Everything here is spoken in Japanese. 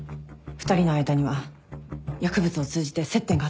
２人の間には薬物を通じて接点があった。